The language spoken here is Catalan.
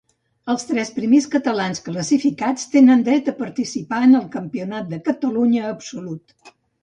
Els tres primers catalans classificats tenen dret a participar en el Campionat de Catalunya absolut.